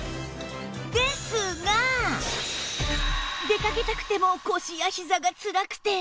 出かけたくても腰やひざがつらくて